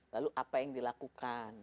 lalu apa yang dilakukan